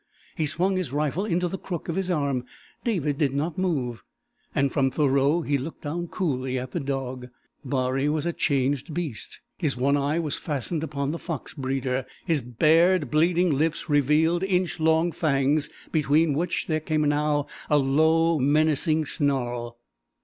He swung his rifle into the crook of his arm. David did not move, and from Thoreau he looked down coolly at the dog. Baree was a changed beast. His one eye was fastened upon the fox breeder. His bared, bleeding lips revealed inch long fangs between which there came now a low and menacing snarl.